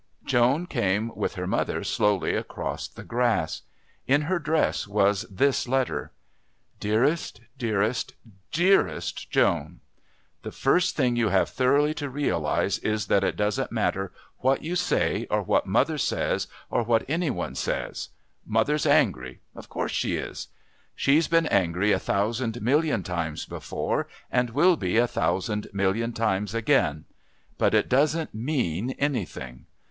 Joan came with her mother slowly across the grass. In her dress was this letter: Dearest, dearest, dearest Joan The first thing you have thoroughly to realise is that it doesn't matter what you say or what mother says or what any one says. Mother's angry. Of course she is. She's been angry a thousand million times before and will be a thousand million times again. But it doesn't mean anything.